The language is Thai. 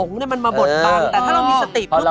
ขอบคุณมากค่ะ